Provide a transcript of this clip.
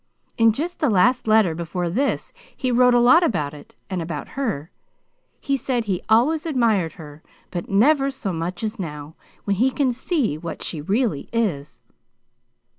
"In just the last letter before this he wrote a lot about it, and about her. He said he always admired her, but never so much as now, when he can see what she really is."